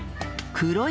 黒い！